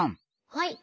はい。